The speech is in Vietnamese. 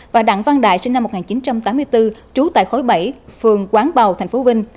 và đặng văn đại sinh năm một nghìn chín trăm tám mươi bốn trú tại khối bảy phường quán bào tp vinh